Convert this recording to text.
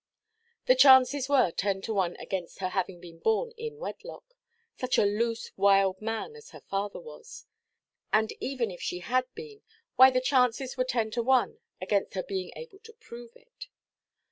The chances were ten to one against her having been born in wedlock—such a loose, wild man as her father was. And even if she had been, why, the chances were ten to one against her being able to prove it.